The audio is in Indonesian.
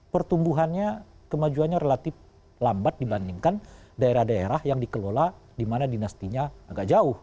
pertumbuhannya kemajuannya relatif lambat dibandingkan daerah daerah yang dikelola di mana dinastinya agak jauh